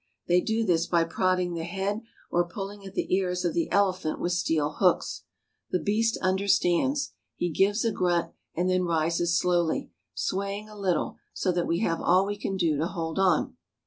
They do this by prodding the head or pulling at the ears of the elephant with steel hooks. The beast understands. He gives a grunt, and then rises slowly, swaying a little, so that we have all we can do to hold on.